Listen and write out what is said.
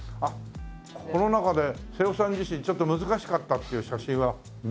この中で瀬尾さん自身ちょっと難しかったっていう写真はどれでしょう？